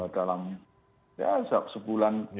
dalam ya sebulan